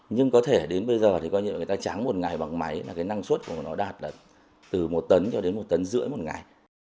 nhưng có thể đến bây giờ người ta trắng một ngày bằng máy năng suất của nó đạt từ một tấn cho đến một tấn rưỡi một ngày